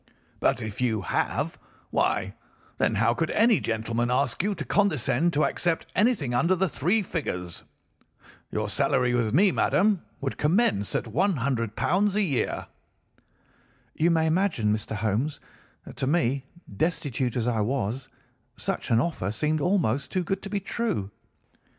But if you have why, then, how could any gentleman ask you to condescend to accept anything under the three figures? Your salary with me, madam, would commence at £ 100 a year.' "You may imagine, Mr. Holmes, that to me, destitute as I was, such an offer seemed almost too good to be true.